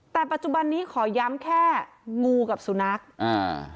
แต่ปัจจุบันนี้ขอย้ำแค่งูกับสุนัขอ่า